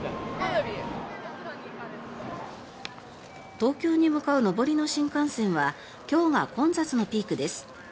東京に向かう上りの新幹線は今日が混雑のピークです